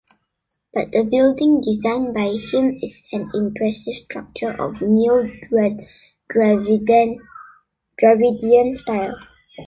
But the building designed by him is an impressive structure of Neo Dravidian style.